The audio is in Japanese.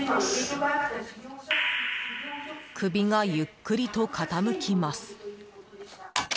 首がゆっくりと傾きます。